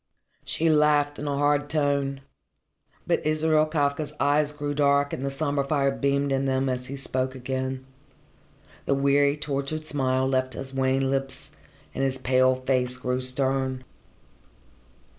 She laughed in a hard tone. But Israel Kafka's eyes grew dark and the sombre fire beamed in them as he spoke again. The weary, tortured smile left his wan lips, and his pale face grew stern.